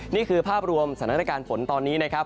นี่คือภาพรวมสถานการณ์ฝนตอนนี้นะครับ